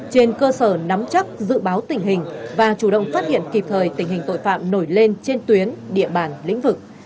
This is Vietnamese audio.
trên cơ sở nắm chắc dự báo tình hình và chủ động phát hiện kịp thời tình hình tội phạm nổi lên trên tuyến địa bàn lĩnh vực